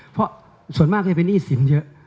เพราะส่วนมากก็จะเป็นนี่ศิลป์เยอะ